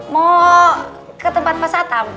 mau ke tempat pak satam